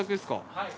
はい。